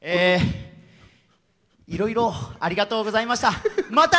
いろいろありがとうございました。